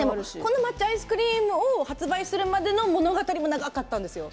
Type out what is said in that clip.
抹茶アイスクリームを発売するまでの物語も長かったんです。